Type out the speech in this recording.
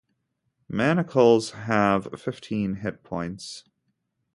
Manacles have fifteen hit points.